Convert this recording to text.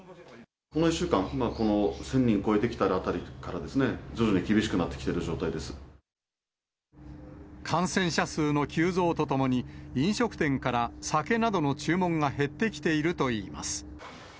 この１週間、１０００人超えてきたあたりから、徐々に厳しくなってきている状態感染者数の急増とともに、飲食店から酒などの注文が減ってきているといいます。